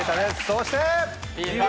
そして。